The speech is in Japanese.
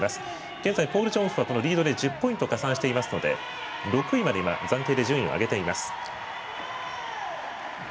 現在、ポール・ジョンフはリードで１０ポイント加算していますので、６位まで暫定で順位を上げています。